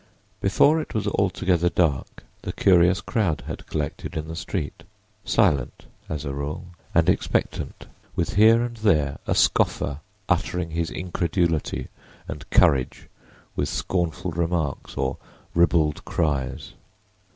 Before it was altogether dark the curious crowd had collected in the street, silent, as a rule, and expectant, with here and there a scoffer uttering his incredulity and courage with scornful remarks or ribald cries.